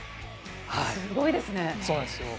すごいですね。